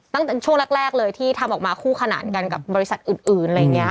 ตั้งแต่ช่วงแรกเลยที่ทำออกมาคู่ขนานกันกับบริษัทอื่นอะไรอย่างนี้